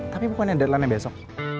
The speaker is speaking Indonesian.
tapi bukan deadline nya besok